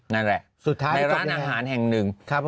นั่นแหละในร้านอาหารแห่งหนึ่ง